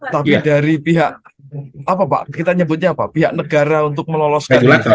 tapi dari pihak apa pak kita nyebutnya apa pihak negara untuk meloloskan